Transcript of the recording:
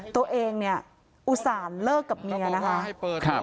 ตัวเองเนี่ยอุตส่าห์เลิกกับเมียนะคะ